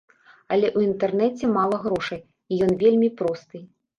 Але ў інтэрнэце мала грошай, і ён вельмі просты.